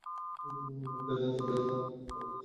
এ একটা ঝঞ্ঝা-বায়ু, যার মধ্যে রয়েছে বেদনাদায়ক শাস্তি।